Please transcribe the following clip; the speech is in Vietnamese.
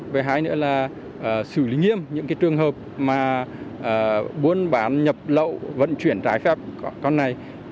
nên là xử lý nghiêm những cái trường hợp mà buôn bán nhập lậu vận chuyển trái phép con này